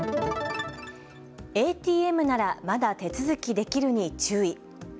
ＡＴＭならまだ手続きできるに注意。